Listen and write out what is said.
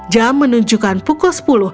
jam menunjukkan pukul sepuluh